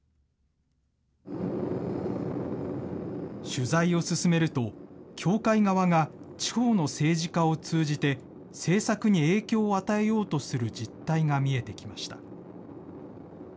取材を進めると、教会側が地方の政治家を通じて、政策に影響を与えようとする実態が見えてきました。